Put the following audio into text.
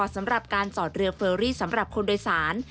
สำหรับการจอดเรือเฟอรี่สำหรับคนโดยสาร